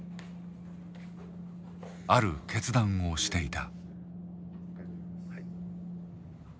ある決断をしていた。